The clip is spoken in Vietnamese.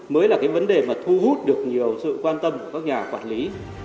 mới là cái vấn đề mà thu hút được nhiều sự quan tâm của các nhà quản lý